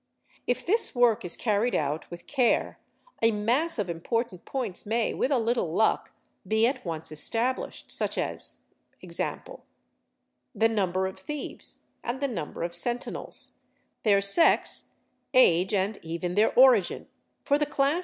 If this work 1s carried out with care a mass of important points may, with a little luck, be at once established: such as, e.g., the number of thieves and the number of sentinels, their sex, age, and even their origin—for the class ——— ———E———— oe ,—'i'i' a...